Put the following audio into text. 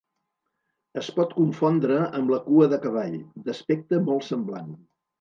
Es pot confondre amb la cua de cavall, d'aspecte molt semblant.